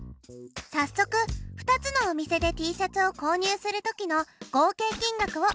さっそく２つのお店でＴシャツを購入する時の合計金額を式で表しましょう。